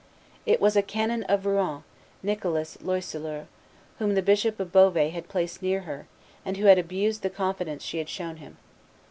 It was a canon of Rouen, Nicholas Loiseleur, whom the Bishop of Beauvais had placed near her, and who had abused the confidence she had shown him.